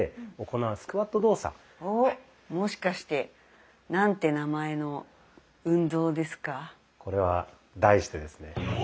もしかして何て名前の運動ですか？